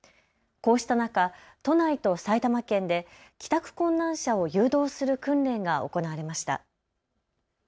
こうした中、都内と埼玉県で帰宅困難者を誘導する訓練が行われました。